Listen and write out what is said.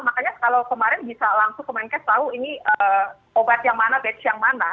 makanya kalau kemarin bisa langsung kemenkes tahu ini obat yang mana batch yang mana